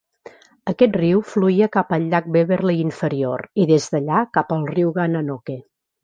Aquest riu fluïa cap al llac Beverley inferior i des d'allà cap al riu Gananoque.